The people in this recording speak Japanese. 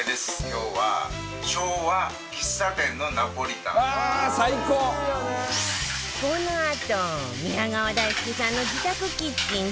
今日は昭和喫茶店のナポリタン。